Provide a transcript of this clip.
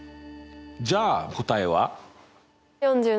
じゃあ答えは？